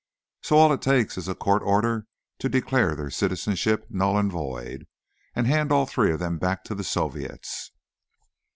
So all it takes is a court order to declare their citizenships null and void, and hand all three of them back to the Soviets."